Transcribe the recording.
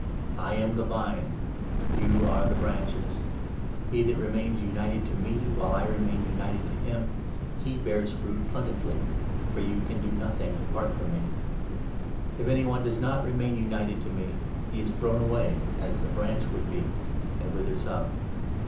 I am the Vine, you are the branches. 5 He that remains united to me, while I remain united to him — he bears fruit plentifully ; for you can do nothing apart from me. If any one does not remain united to me, 6 he is thrown away, as a branch would be, and withers up.